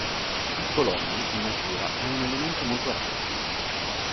Il polonio in natura è un elemento molto raro.